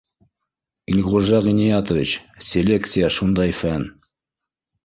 — Илғужа Ғиниәтович, селекция шундай фән